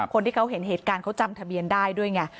คนที่เขาเห็นเหตุการณ์เขาจำทะเบียนได้ด้วยไง